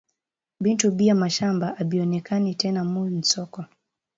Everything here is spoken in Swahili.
Bintu bia mashamba abionekane tena mu nsoko